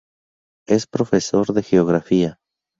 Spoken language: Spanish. Es profesor de Geografía.